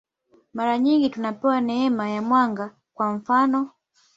Mara nyingi tunapewa neema ya mwanga, kwa mfanof.